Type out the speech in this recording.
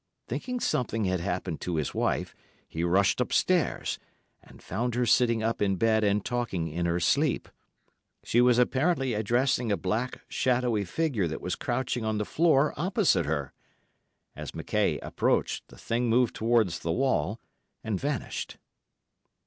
Thinking something had happened to his wife, he rushed upstairs, and found her sitting up in bed and talking in her sleep. She was apparently addressing a black, shadowy figure that was crouching on the floor, opposite her. As McKaye approached, the thing moved towards the wall, and vanished.